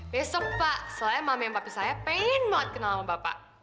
besok pak saya mama yang bapak saya pengen banget kenal sama bapak